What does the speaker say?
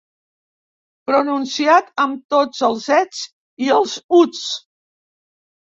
Pronunciat amb tots els ets i els uts.